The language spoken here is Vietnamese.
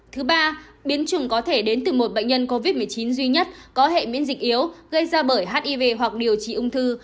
thứ ba biến trùng có thể đến từ một bệnh nhân covid một mươi chín duy nhất có hệ miễn dịch yếu gây ra bởi hiv hoặc điều trị ung thư